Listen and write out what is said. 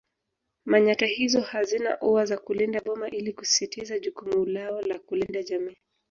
Manyatta hizo hazina ua za kulinda boma ili kusisitiza jukumu lao la kulinda jamii